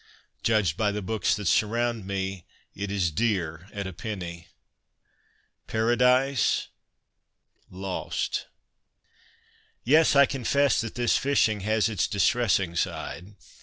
Judged by the books that surround me, it is dear at a penny ... Paradise Lost ! Yes, I confess that this fishing has its distressing side.